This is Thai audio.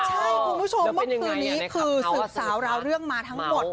ใช่คุณผู้ชมเมื่อคืนนี้คือสืบสาวราวเรื่องมาทั้งหมด